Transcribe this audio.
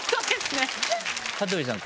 羽鳥さん